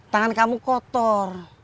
tangan kamu kotor